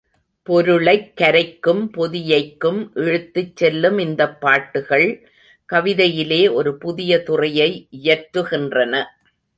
பொருளைக் கரைக்கும் பொதியைக்கும் இழுத்துச் செல்லும் இந்தப் பாட்டுகள், கவிதையிலே ஒரு புதிய துறையை இயற்றுகின்றன.